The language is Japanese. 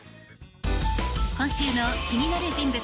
今週の気になる人物